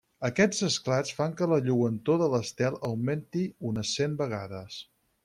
Aquests esclats fan que la lluentor de l'estel augmenti unes cent vegades.